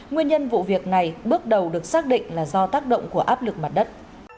nguyên nhân vụ việc này bước đầu được xác định là do tác động của áp lực mặt đất